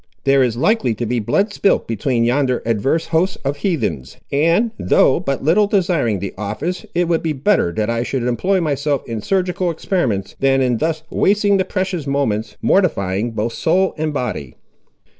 There is likely to be blood spilt between yonder adverse hosts of heathens; and, though but little desiring the office, it would be better that I should employ myself in surgical experiments, than in thus wasting the precious moments, mortifying both soul and body."